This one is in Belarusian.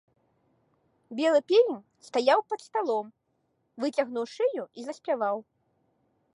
Белы певень стаяў пад сталом, выцягнуў шыю і заспяваў.